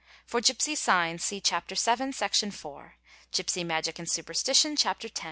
(For gipsy signs, See Chapter VII, Section iv. Gipsy magic and superstition, Chapter X.